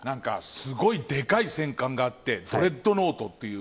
すごいでかい戦艦があって「ドレッドノート」っていう。